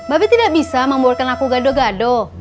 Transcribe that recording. mbak be tidak bisa membuatkan aku gado gado